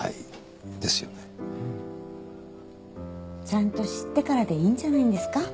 ちゃんと知ってからでいいんじゃないんですか？